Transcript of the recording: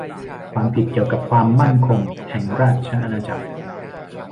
ความผิดเกี่ยวกับความมั่นคงแห่งราชอาณาจักร